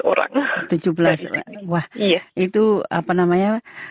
tujuh belas orang wah itu apa namanya